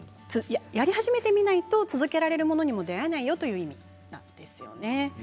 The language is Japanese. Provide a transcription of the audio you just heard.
やり始めてみないと続けられるものにも出会えないよという意味なんですよね。